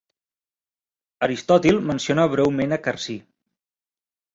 Aristòtil menciona breument a Carcí.